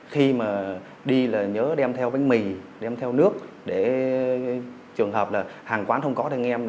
khi mà đi là nhớ đem theo bánh mì đem theo nước để trường hợp là hàng quán không có anh em